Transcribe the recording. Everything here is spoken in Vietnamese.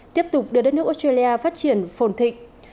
tiếp tục đưa đất nước australia phát triển phồn thịnh